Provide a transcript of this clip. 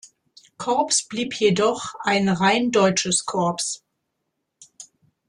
Korps blieb jedoch ein rein deutsches Korps.